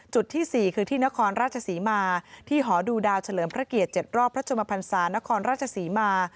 จุดที่๔คือที่นครราชศรีมาที่หอดูดาวเฉลิมพระเกียรติ๗รอบพระชมพันศานครราชศรีมา